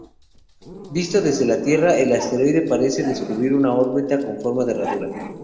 Visto desde la Tierra, el asteroide parece describir una órbita con forma de herradura.